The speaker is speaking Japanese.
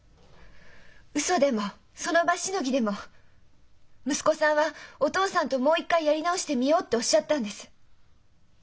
ウソでもその場しのぎでも息子さんはお父さんともう一回やり直してみようっておっしゃったんです。